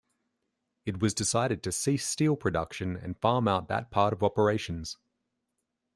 It was decided to cease steel production and farm out that part of operations.